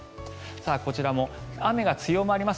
こちらも雨が強まります。